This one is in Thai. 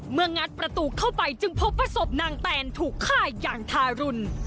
งัดประตูเข้าไปจึงพบว่าศพนางแตนถูกฆ่าอย่างทารุณ